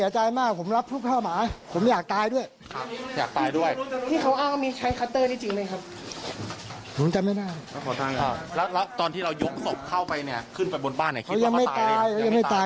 ใช้อะไรปากขอผมจำไม่ได้ครับทำไมจำไม่ได้